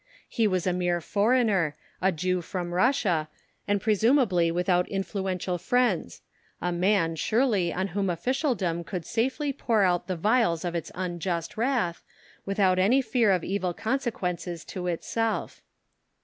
He was a mere foreigner, a Jew from Russia, and presumably without influential friends a man, surely, on whom officialdom could safely pour out the vials of its unjust wrath, without any fear of evil consequences to itself.